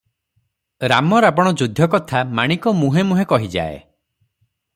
ରାମ ରାବଣ ଯୁଦ୍ଧ କଥା ମାଣିକ ମୁହେଁ ମୁହେଁ କହିଯାଏ ।